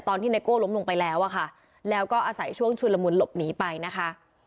ไนโก้ล้มลงไปแล้วอะค่ะแล้วก็อาศัยช่วงชุนละมุนหลบหนีไปนะคะ